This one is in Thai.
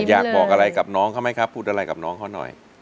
อยากบอกอะไรกับน้องเขาไหมครับพูดอะไรกับน้องเขาหน่อย